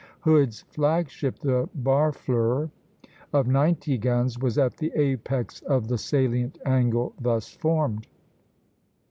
Hood's flag ship, the "Barfleur," of ninety guns, was at the apex of the salient angle thus formed.